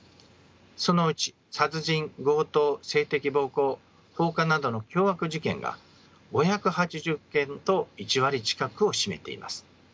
そのうち殺人強盗性的暴行放火などの凶悪事件が５８０件と１割近くを占めています。